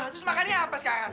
terus makannya apa sekarang